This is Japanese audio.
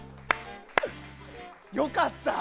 良かった！